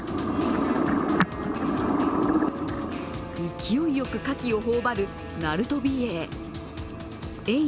勢いよくカキを頬張るナルトビエイ。